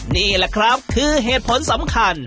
นี่แหละครับคือเหตุผลสำคัญ